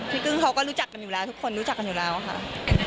กึ้งเขาก็รู้จักกันอยู่แล้วทุกคนรู้จักกันอยู่แล้วค่ะ